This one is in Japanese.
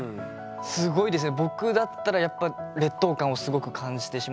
すごいですね。